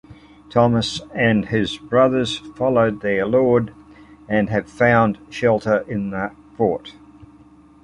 Thomas and his brothers followed their lord and have found shelter in the fort.